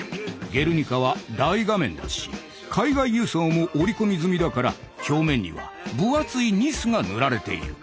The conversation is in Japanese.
「ゲルニカ」は大画面だし海外輸送も織り込み済みだから表面には分厚いニスが塗られている。